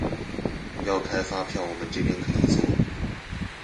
要開發票我們這邊可以做